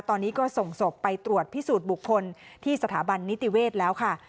ตอนนี้ก็ส่งศพไปตรวจพิสูจน์บุคคลที่สถาบันนิติเวศแล้วค่ะ